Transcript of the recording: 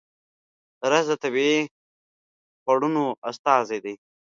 رس د طبیعي خوړنو استازی دی